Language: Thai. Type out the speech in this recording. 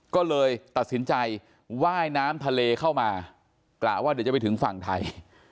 ก็เลยตัดสินใจว่ายน้ำทะเลเข้ามากะว่าเดี๋ยวจะไปถึงฝั่งไทย